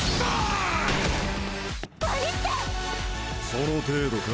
その程度か？